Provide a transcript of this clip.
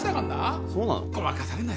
そうなの？